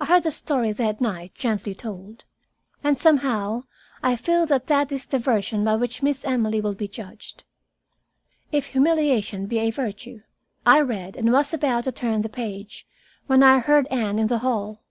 I heard the story that night gently told, and somehow I feel that that is the version by which Miss Emily will be judged. "If humiliation be a virtue " I read and was about to turn the page, when I heard Anne in the hall.